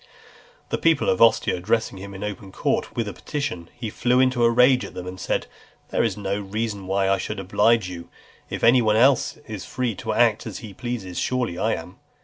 The people of Ostia addressing him in open court with a petition, he flew into a rage at them, and said, "There is no reason why I should oblige you: if any one else is free to act as he pleases, surely I am."